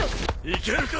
いけるか？